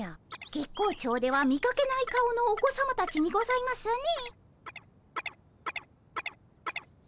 月光町では見かけない顔のお子さまたちにございますね。